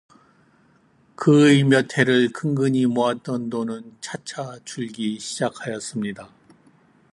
그의 몇 해를 근근히 모았던 돈은 차차 줄기 시작하였습니다.